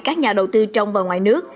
các nhà đầu tư trong và ngoài nước